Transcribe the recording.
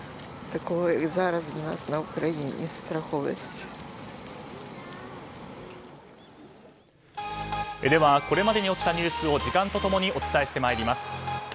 ではこれまでに起きたニュースを時間と共にお伝えしてまいります。